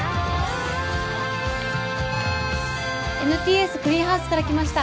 ＮＴＳクリーンハウスから来ました